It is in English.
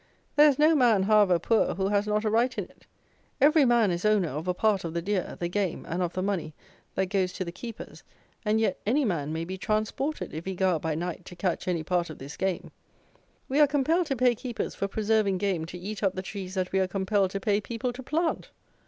There is no man, however poor, who has not a right in it. Every man is owner of a part of the deer, the game, and of the money that goes to the keepers; and yet, any man may be transported, if he go out by night to catch any part of this game! We are compelled to pay keepers for preserving game to eat up the trees that we are compelled to pay people to plant!